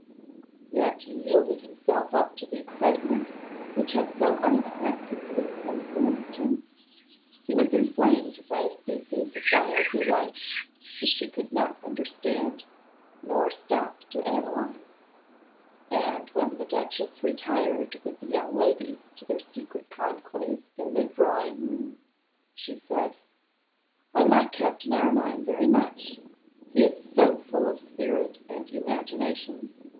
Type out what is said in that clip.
Yet he yielded himself up to the excitement which had so unexpectedly influenced him; he was inflamed by a species of wild delight which he could not understand, nor stop to analyse; and when the duchess retired with the young ladies to their secret conclave in the drawing room, she said, 'I like Captain Armine very much; he is so full of spirit and imagination.